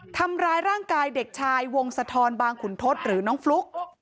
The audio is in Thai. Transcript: ทำร้ายร่างกายเด็กชายวงสะทอนบางขุนทศหรือน้องฟลุ๊ก